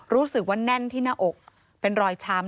รู้สึกว่าแน่นที่หน้าอกเป็นรอยช้ำ